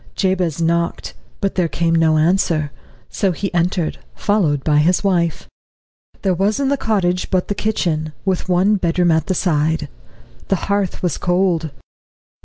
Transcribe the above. Jabez knocked, but there came no answer; so he entered, followed by his wife. There was in the cottage but the kitchen, with one bedroom at the side. The hearth was cold.